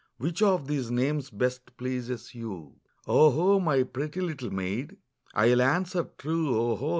Which of these names best pleases you'?'' " 0 ho ! my pretty little maid. I'll answer true, 0 ho